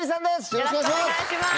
よろしくお願いします。